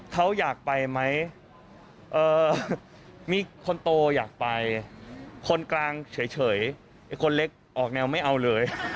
เขาอยากไปไหมมีคนโตอยากไปคนกลางเฉยไอ้คนเล็กออกแนวไม่เอาเลย